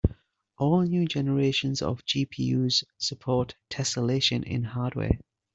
All new generations of GPUs support tesselation in hardware.